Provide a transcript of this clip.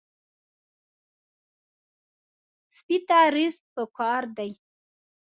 سپي ته رزق پکار دی.